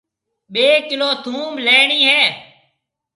ٻي ڪلو ٿونڀ ليڻِي هيَ۔